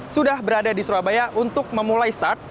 sudah berada di surabaya untuk memulai start